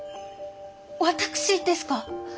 私ですか？